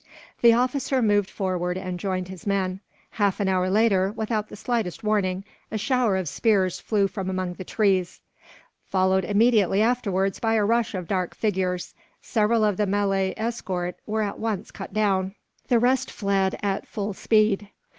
The officer moved forward, and joined his men. Half an hour later, without the slightest warning, a shower of spears flew from among the trees; followed immediately afterwards by a rush of dark figures. Several of the Malay escort were at once cut down. The rest fled, at full speed.